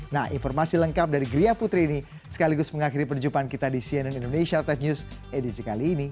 nah informasi lengkap dari gria putri ini sekaligus mengakhiri perjumpaan kita di cnn indonesia tech news edisi kali ini